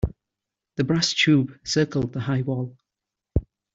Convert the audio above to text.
The brass tube circled the high wall.